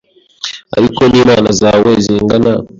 ari ko n’imana zawe zingana